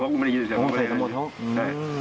มันกินเสียงเท้า